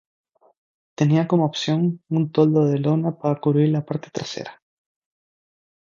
Tenía como opción un toldo de lona para cubrir la parte trasera.